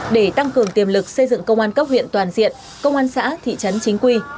để tăng cường tiềm lực xây dựng công an cấp huyện toàn diện công an xã thị trấn chính quy